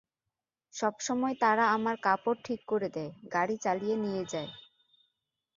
সবসময়, তারা আমার কাপড় ঠিক করে দেয়, গাড়ি চালিয়ে নিয়ে যায়।